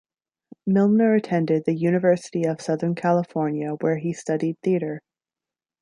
Milner attended the University of Southern California where he studied theater.